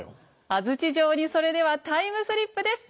安土城にそれではタイムスリップです。